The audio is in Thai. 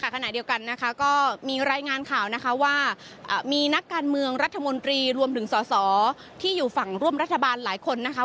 ขณะเดียวกันนะคะก็มีรายงานข่าวนะคะว่ามีนักการเมืองรัฐมนตรีรวมถึงสอสอที่อยู่ฝั่งร่วมรัฐบาลหลายคนนะคะ